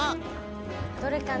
どれかな？